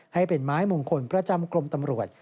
ให้เป็นไม้มงคลประจำกรมตำรวจ